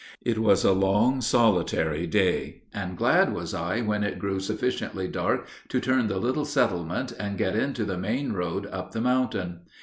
It was a long, solitary day, and glad was I when it grew sufficiently dark to turn the little settlement and get into the main road up the mountain.